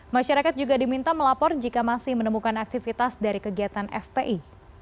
masyarakat juga diminta melapor jika masih menemukan aktivitas dari kegiatan fpi